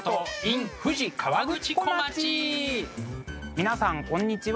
皆さん、こんにちは。